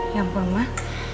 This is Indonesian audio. ya ampun mah